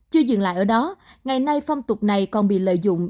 chưa dừng lại ở đó ngày nay phong tục này còn bị lợi dụng